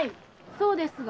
そうですが。